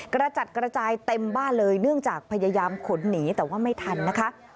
กระจัดกระจายเต็มบ้านเลยเนื่องจากพยายามขนหนีแต่ว่าไม่ทันนะคะ